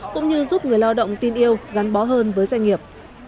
cũng như giúp người lao động tin yêu gắn bó hơn với doanh nghiệp